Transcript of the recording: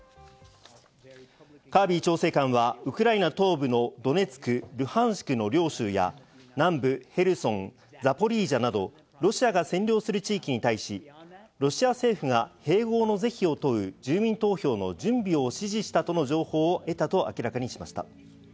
カービー調整官はウクライナ東部のドネツク、ルハンシクの両州や、南部ヘルソン、ザポリージャなどロシアが占領する地域に対し、ロシア政府が併合の是非を問う住民投票の準備を指示したとの情報を得たと明らかにしました。